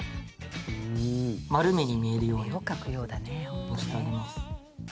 丸目に見えるようにのせてあげます。